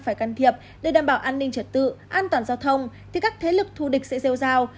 phải can thiệp để đảm bảo an ninh trật tự an toàn giao thông thì các thế lực tù địch sẽ rêu rào